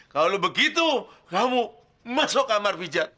kalau begitu kamu masuk kamar pijat